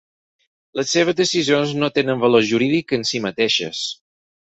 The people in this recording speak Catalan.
Les seves decisions no tenen valor jurídic en sí mateixes.